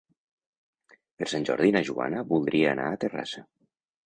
Per Sant Jordi na Joana voldria anar a Terrassa.